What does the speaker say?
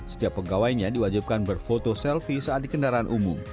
setiap pegawainya diwajibkan berfoto selfie saat di kendaraan umum